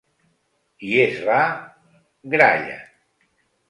I és la... gralla!